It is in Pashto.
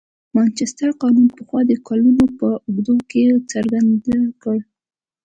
مانچستر قانون پخوا د کلونو په اوږدو کې څرګنده کړه.